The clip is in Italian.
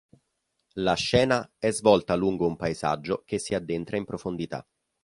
La scena è svolta lungo un paesaggio che si addentra in profondità.